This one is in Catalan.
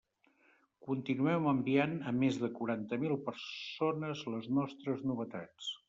Continuem enviant a més de quaranta mil persones les nostres novetats.